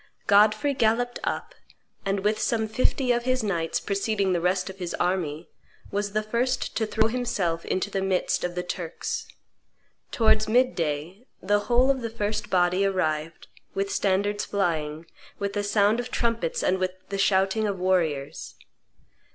Godfrey galloped up, and, with some fifty of his knights, preceding the rest of his army, was the first to throw himself into the midst of the Turks. Towards mid day the whole of the first body arrived, with standards flying, with the sound of trumpets and with the shouting of warriors.